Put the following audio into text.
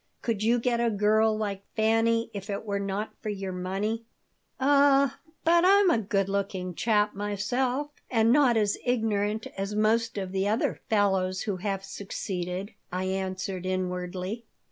"Could you get a girl like Fanny if it were not for your money? Ah, but I'm a good looking chap myself and not as ignorant as most of the other fellows who have succeeded," I answered, inwardly.